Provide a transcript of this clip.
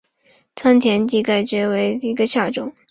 仓田蹄盖蕨为蹄盖蕨科蹄盖蕨属下的一个种。